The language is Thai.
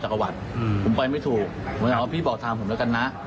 ผมไปไม่ถูก